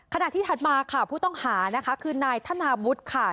ขณะที่ถัดมาค่ะผู้ต้องหานะคะคือนายธนาวุฒิค่ะ